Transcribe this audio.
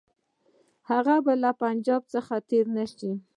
هغه به له پنجاب څخه تېر نه شي.